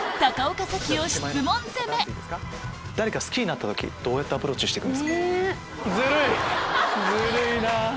誰か好きになった時どうやってアプローチして行く？